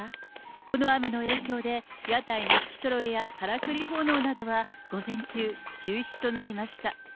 この雨の影響で屋台の引きそろえやからくり奉納などは午前中、中止となりました。